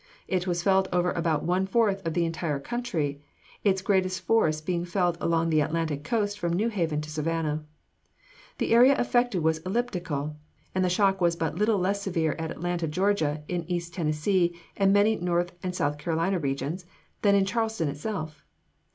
It was felt over about one fourth of the entire country, its greatest force being felt along the Atlantic coast from New Haven to Savannah. The area affected was elliptical, and the shock was but little less severe at Atlanta, Georgia, in East Tennessee, and many North and South Carolina regions, than in Charleston itself.